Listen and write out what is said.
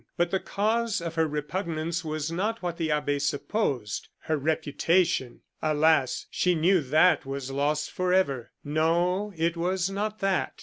But the cause of her repugnance was not what the abbe supposed. Her reputation! Alas! she knew that was lost forever. No, it was not that.